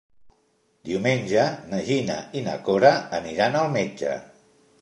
Diumenge na Gina i na Cora aniran al metge.